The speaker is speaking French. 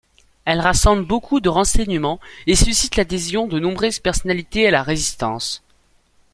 Elle rassemble beaucoup de renseignements, et suscite l'adhésion de nombreuses personnalités à la Résistance.